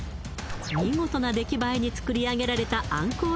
見事な出来栄えに作り上げられたアンコウ